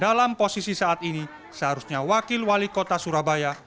dalam posisi saat ini seharusnya wakil wali kota surabaya